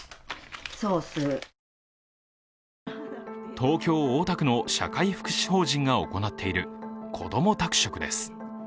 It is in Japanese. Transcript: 東京・大田区の社会福祉法人が行っているこども宅食です。